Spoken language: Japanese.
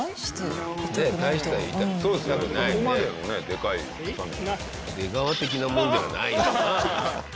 出川的なものではないよな。